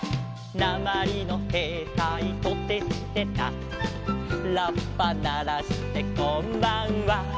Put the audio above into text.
「なまりのへいたいトテチテタ」「ラッパならしてこんばんは」